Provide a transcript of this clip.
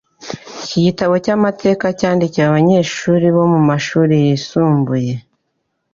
Iki gitabo cyamateka cyandikiwe abanyeshuri bo mumashuri yisumbuye .